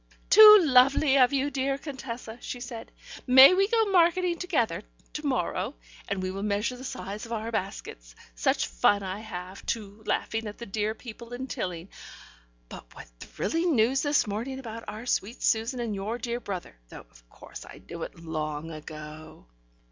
"Too lovely of you, dear Contessa," she said. "May we go marketing together to morrow, and we will measure the size of our baskets? Such fun I have, too, laughing at the dear people in Tilling. But what thrilling news this morning about our sweet Susan and your dear brother, though of course I knew it long ago."